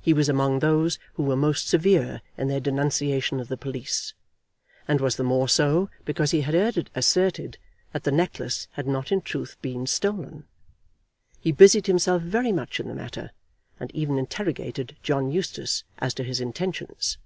He was among those who were most severe in their denunciation of the police, and was the more so, because he had heard it asserted that the necklace had not in truth been stolen. He busied himself very much in the matter, and even interrogated John Eustace as to his intentions.